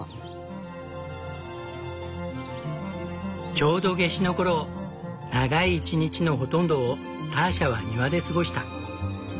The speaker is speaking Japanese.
ちょうど夏至の頃長い一日のほとんどをターシャは庭で過ごした。